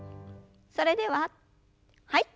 それでははい。